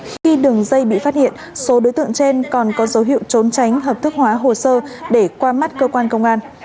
khi đường dây bị phát hiện số đối tượng trên còn có dấu hiệu trốn tránh hợp thức hóa hồ sơ để qua mắt cơ quan công an